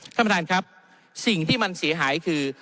คุณแม่ท่านครับสิ่งที่มันเสียหายคือ